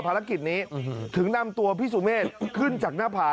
ภารกิจนี้ถึงนำตัวพี่สุเมฆขึ้นจากหน้าผา